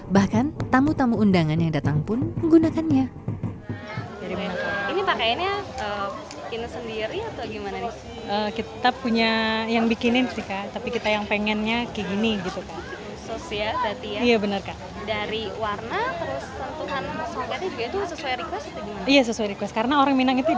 bahkan tamu tamu undangan yang datang pun menggunakannya